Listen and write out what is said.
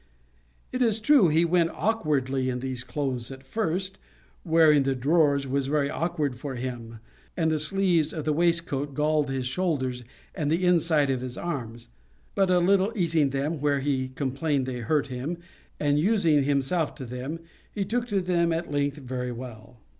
It is true he went awkwardly in these clothes at first: wearing the drawers was very awkward to him, and the sleeves of the waistcoat galled his shoulders and the inside of his arms; but a little easing them where he complained they hurt him, and using himself to them, he took to them at length very well.